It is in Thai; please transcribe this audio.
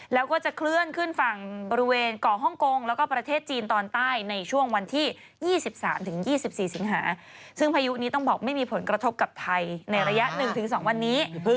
ซึ่งพายุนี้ไม่มีผลกระทบกับไทยในระยะ๑๒วันนี้